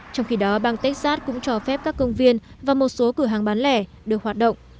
trong khi đó bang texas cũng cho phép các công viên và một số cửa hàng bán lẻ được hoạt động